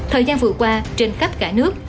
thời gian vừa qua trên khắp cả nước